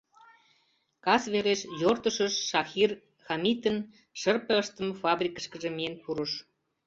Кас велеш Йортышыш Шахир Хамитын шырпе ыштыме фабрикышкыже миен пурыш...